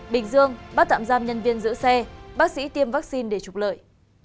bình dương bắt tạm giam nhân viên giữ xe bác sĩ tiêm vaccine để trục lợi